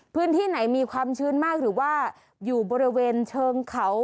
พื้นที่ไหนมีความชื้นมากหรือว่าอยู่บริเวณเชิงเขา